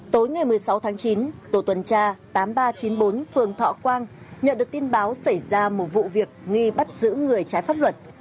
tối ngày một mươi sáu tháng chín tổ tuần tra tám nghìn ba trăm chín mươi bốn phường thọ quang nhận được tin báo xảy ra một vụ việc nghi bắt giữ người trái pháp luật